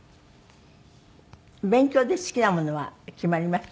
勉強で好きなものは決まりました？